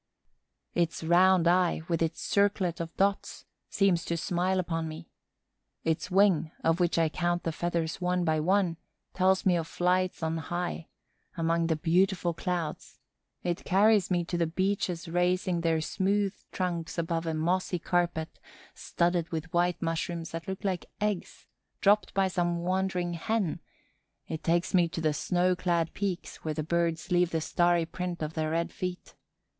Its round eye, with its circlet of dots, seems to smile upon me. Its wing, of which I count the feathers one by one, tells me of flights on high, among the beautiful clouds; it carries me to the beeches raising their smooth trunks above a mossy carpet studded with white mushrooms that look like eggs, dropped by some wandering hen; it takes me to the snow clad peaks where the birds leave the starry print of their red feet.